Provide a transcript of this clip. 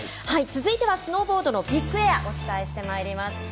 続いてはスノーボードのビッグエアお伝えしてまいります。